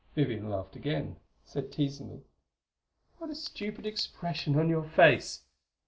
Vivian laughed again; said, teasingly, "What a stupid expression on your face!"